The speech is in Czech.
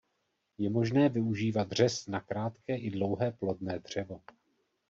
Je možné využívat řez na krátké i dlouhé plodné dřevo.